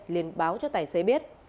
liên báo cho tài xế biết